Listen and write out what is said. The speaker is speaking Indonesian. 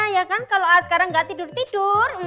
ya kan kalau sekarang nggak tidur tidur